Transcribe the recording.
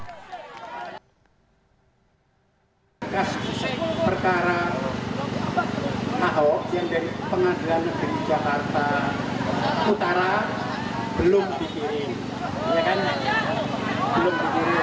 kasus perkara ahok yang dari pengadilan negeri jakarta utara belum dikirim